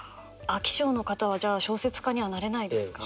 飽き性の方はじゃあ小説家にはなれないですか。